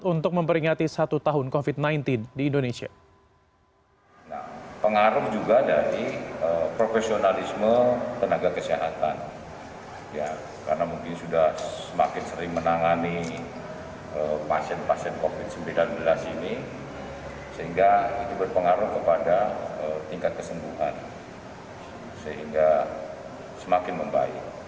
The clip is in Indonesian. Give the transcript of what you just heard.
untuk memperingati satu tahun covid sembilan belas di indonesia